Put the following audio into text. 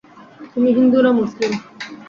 তুমি হিন্দু না মুসলিম?